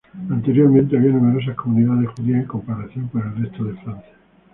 Anteriormente había numerosas comunidades judías en comparación con el resto de Francia.